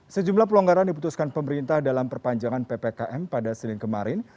sejumlah pelonggaran diputuskan pemerintah dalam perpanjangan ppkm pada senin kemarin